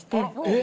え？